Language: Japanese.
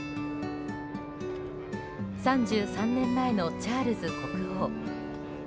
３３年前のチャールズ国王。